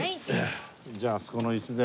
じゃああそこのイスで。